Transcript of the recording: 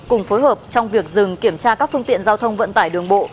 cùng phối hợp trong việc dừng kiểm tra các phương tiện giao thông vận tải đường bộ